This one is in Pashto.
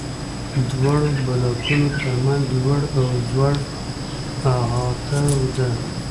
دواړو بلاکونو تر منځ لوړ او ځوړ احاطه ده.